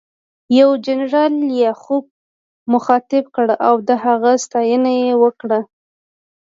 یو جنرال لیاخوف مخاطب کړ او د هغه ستاینه یې وکړه